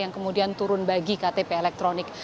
yang kemudian turun bagi ktp elektronik